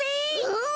うん。